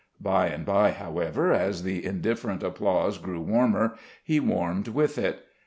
By and by, however, as the indifferent applause grew warmer, he warmed with it.